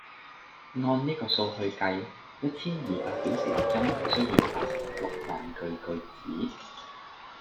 按呢個數去計，一千二百小時錄音就需要八十六萬句句子